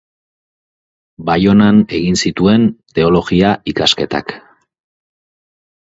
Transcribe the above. Baionan egin zituen teologia ikasketak.